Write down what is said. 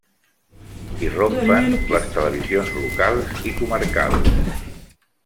Irrompen les televisions locals i comarcals.